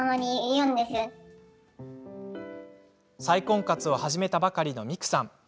再婚活を始めたばかりのみくさん。